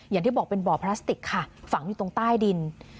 อย่างที่บอกเป็นบ่อพลาสติกค่ะฝังอยู่ตรงใต้ดิน